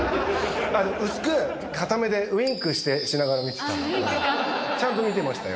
薄く片目で、ウインクしながら見てた。